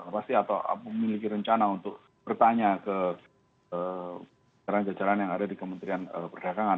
pasti atau memiliki rencana untuk bertanya ke jajaran jajaran yang ada di kementerian perdagangan